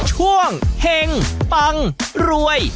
ช่วงเห้งปังรวย